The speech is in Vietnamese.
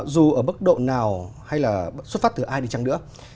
dù ở mức độ nào hay là xuất phát từ ai thì chẳng nữa